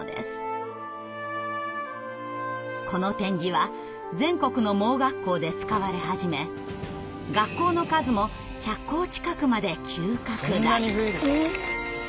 この点字は全国の盲学校で使われ始め学校の数も１００校近くまで急拡大。